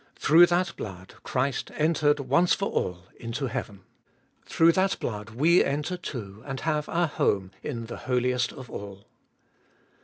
Through that blood Christ entered once for all into heaven ; through that blood we enter too, and have our home in the Holiest of All.